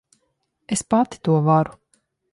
Es pati to varu.